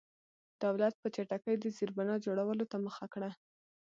دولت په چټکۍ د زېربنا جوړولو ته مخه کړه.